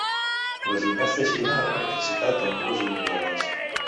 La gimnasta Xina ha participat en dues Olimpíades.